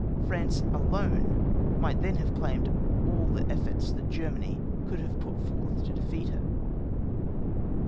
France alone might then have claimed all the efforts that Germany could have put forth to defeat her.